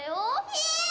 えっ！